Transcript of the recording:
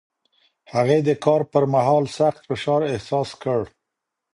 هغې د کار پر مهال سخت فشار احساس کړ.